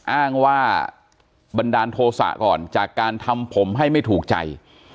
อ้างว่าบันดาลโทษะก่อนจากการทำผมให้ไม่ถูกใจ